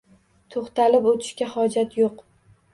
Toʻxtalib oʻtirishga hojat yoʻq